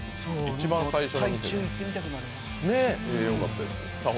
台中、行ってみたくなりますね。